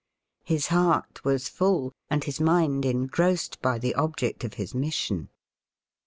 His heart was fall and his mind engrossed by the object of his mission.